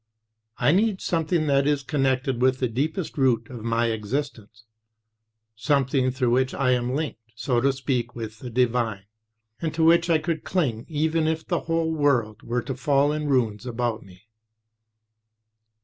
I need something that is connected with the deepest root of my existence, something through which I am linked, so to speak, with the divine, and to which I could cling even if the whole world were to fall in ruins about me."